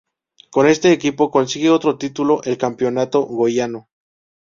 Con este equipo consigue otro título, el Campeonato Goiano.